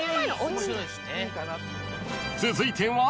［続いては］